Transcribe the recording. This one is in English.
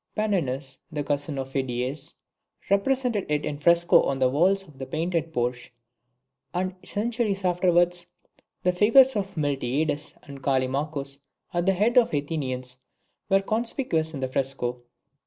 Panenus, the cousin of Phidias, represented it in fresco on the walls of the painted porch; and, centuries afterwards, the figures of Miltiades and Callimachus at the head of the Athenians were conspicuous in the fresco.